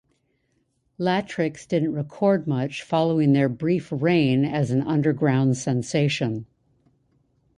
Latyrx didn't record much following their brief reign as an underground sensation.